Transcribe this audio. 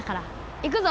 いくぞ！